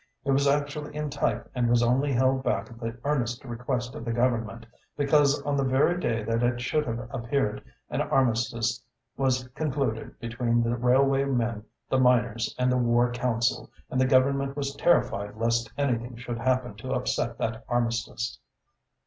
It was actually in type and was only held back at the earnest request of the Government, because on the very day that it should have appeared, an armistice was concluded between the railway men, the miners and the War Council, and the Government was terrified lest anything should happen to upset that armistice."